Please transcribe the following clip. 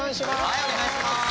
はいお願いします。